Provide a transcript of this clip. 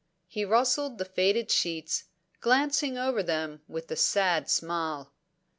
He rustled the faded sheets, glancing over them with a sad smile.